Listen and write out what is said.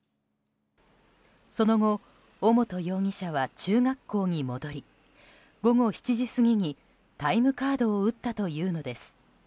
その後尾本容疑者は中学校に戻り午後７時過ぎにタイムカードを打ったというのです。